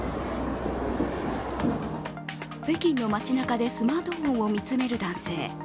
北京の街なかでスマートフォンを見つめる男性。